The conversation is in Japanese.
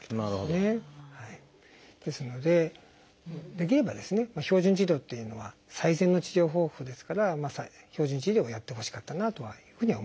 ですのでできればですね標準治療っていうのは最善の治療方法ですから標準治療をやってほしかったなというふうには思っています。